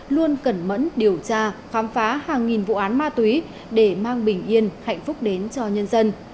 luôn cẩn mẫn điều tra khám phá hàng nghìn vụ án ma túy để mang bình yên hạnh phúc đến cho nhân dân